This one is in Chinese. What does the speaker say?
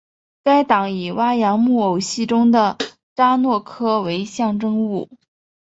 该党以哇扬木偶戏中的查诺科为象征物。